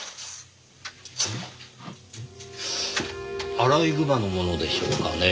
アライグマのものでしょうかねぇ？